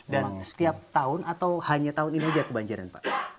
dan setiap tahun atau hanya tahun ini saja kebanjiran pak